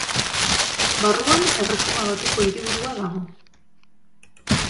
Barruan Erresuma Batuko hiriburua dago.